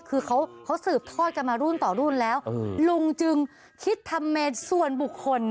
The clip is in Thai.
คือเขาสืบทอดกันมารุ่นต่อรุ่นแล้วลุงจึงคิดทำเมนส่วนบุคคล